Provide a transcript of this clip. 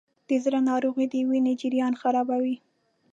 د زړه ناروغۍ د وینې جریان خرابوي.